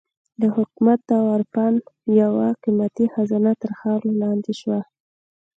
د حکمت او عرفان یوه قېمتي خزانه تر خاورو لاندې شوه.